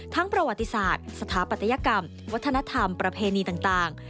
ประวัติศาสตร์สถาปัตยกรรมวัฒนธรรมประเพณีต่าง